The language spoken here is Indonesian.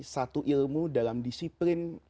satu ilmu dalam disiplin